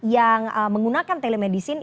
yang menggunakan telemedicine